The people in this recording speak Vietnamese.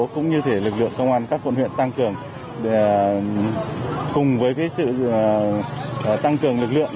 cũng như thể lực lượng công an các quận huyện tăng cường cùng với sự tăng cường lực lượng